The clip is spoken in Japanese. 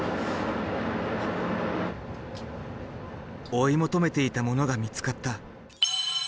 追い求めていたものが見つかった。